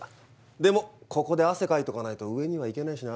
でもここで汗かいとかないと上には行けないしな。